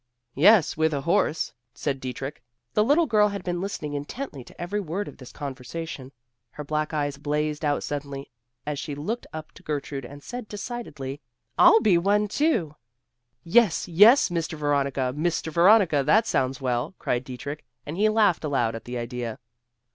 "Yes, with a horse," said Dietrich. The little girl had been listening intently to every word of this conversation. Her black eyes blazed out suddenly as she looked up to Gertrude and said decidedly, "I'll be one too." "Yes, Yes, Mr. Veronica! Mr. Veronica! that sounds well," cried Dietrich, and he laughed aloud at the idea.